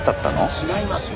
違いますよ！